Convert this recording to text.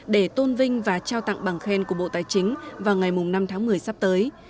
để tôn vinh và trao tặng bằng khen của bộ tài chính vào ngày năm tháng một mươi sắp tới